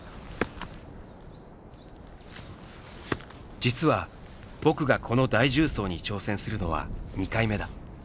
実は「僕」がこの大縦走に挑戦するのは２回目だ。